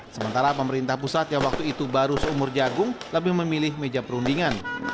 sementara pemerintah pusat yang waktu itu baru seumur jagung lebih memilih meja perundingan